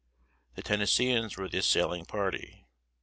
The Tennesseeans were the assailing party.